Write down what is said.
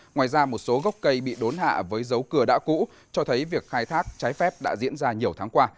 ngoài ra một số gốc cây bị đốn hạ với dấu cửa đã cũ cho thấy việc khai thác trái phép đã diễn ra nhiều tháng qua